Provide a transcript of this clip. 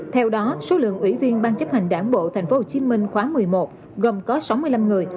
theo đó số lượng ủy viên ban chấp hành đảng bộ thành phố hồ chí minh khóa một mươi một gồm có sáu mươi năm người